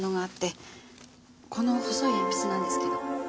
この細い鉛筆なんですけど。